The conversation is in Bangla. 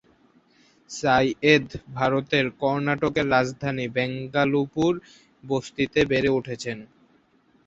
সাইয়েদ ভারতের কর্ণাটকের রাজধানী বেঙ্গালুরুর বস্তিতে বেড়ে উঠেছেন।